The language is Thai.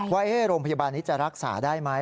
ว่าโรงพยาบาลนี้จะรักษาได้ไหม